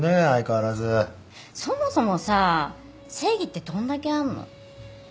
そもそもさ正義ってどんだけあんの？